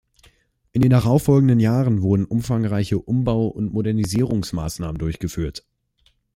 In den darauffolgenden Jahren wurden umfangreiche Umbau- und Modernisierungsmaßnahmen durchgeführt.